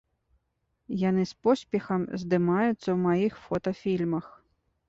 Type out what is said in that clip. Яны з поспехам здымаюцца ў маіх фота-фільмах.